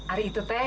ada itu teh